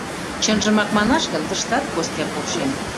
Чынжымак манаш гын, тыштат Костя полшен.